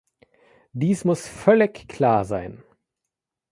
Dies muss völlig klar sein.